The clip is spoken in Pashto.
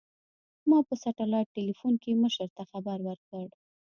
ما په سټلايټ ټېلفون کښې مشر ته خبر وركړ.